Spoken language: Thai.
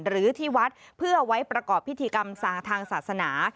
หรือที่วัดเพื่อไว้ประกอบพิธีกรรมทางศาสนา